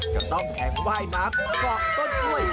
จะต้องแข่งว่ายน้ำเกาะต้นกล้วย